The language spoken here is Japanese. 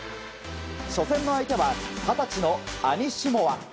初戦の相手は二十歳のアニシモワ。